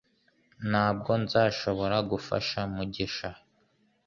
Ntabwo nzashobora gufasha Mugisha